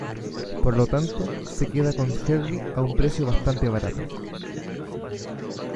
Por lo tanto, se queda con Herbie a un precio bastante barato.